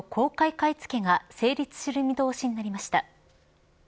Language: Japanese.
買い付けが成立する見通しになりました。